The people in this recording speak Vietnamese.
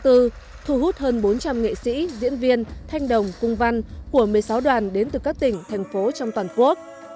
thu hút hơn bốn trăm linh nghệ sĩ diễn viên thanh đồng cung văn của một mươi sáu đoàn đến từ các tỉnh thành phố trong toàn quốc